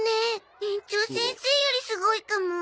園長先生よりすごいかも。